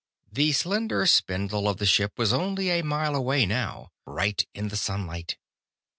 The slender spindle of the ship was only a mile away now, bright in the sunlight.